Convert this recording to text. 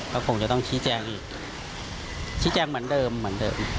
ก็คงจะต้องชี้แจงอีกชี้แจงเหมือนเดิม